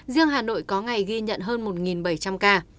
riêng hà nội có ngày ghi nhận hơn một bảy trăm linh ca